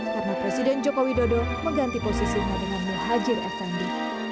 karena presiden joko widodo mengganti posisinya dengan muhajir effendi